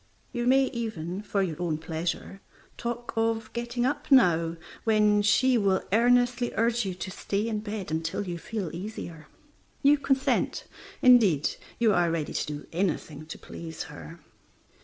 You may even (for your own pleasure) talk of getting up now, when she will earnestly urge you to stay in bed until you feel easier. You consent; indeed, you are ready to do anything to please her.